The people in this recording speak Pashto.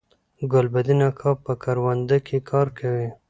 ګلبدین اکا په کرونده کی کار کوي